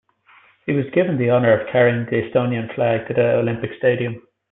He was given the honor of carrying the Estonian flag to the Olympic stadium.